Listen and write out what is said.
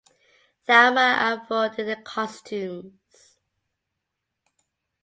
Thelma Afford did the costumes.